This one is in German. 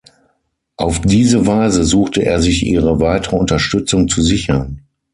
Auf diese Weise suchte er sich ihre weitere Unterstützung zu sichern.